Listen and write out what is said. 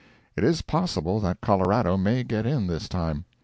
It is possible that Colorado may get in this time.